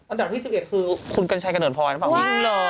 อันดับที่๑๑คือคุณกัญชัยแกนวนพลวิติเปิ๊ย์